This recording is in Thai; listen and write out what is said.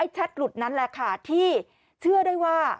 แชทหลุดนั้นแหละค่ะที่เชื่อได้ว่า